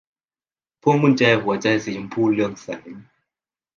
พวงกุญแจหัวใจสีชมพูเรืองแสง